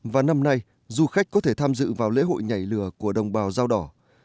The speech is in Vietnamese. và năm nay du khách có thể tham dự vào lễ hội nhảy lửa của đồng bào dao đỏ